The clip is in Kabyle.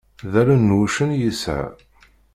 D allen n wuccen i yesɛa.